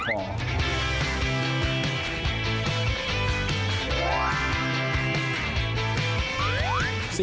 กลุ่มเชียวงามชีวิตเงิน